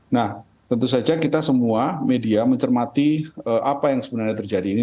nah tentu saja kita semua media mencermati apa yang sebenarnya terjadi ini